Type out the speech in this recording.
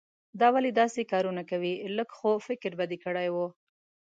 دا ولې داسې کارونه کوې؟ لږ خو فکر به دې کړای وو.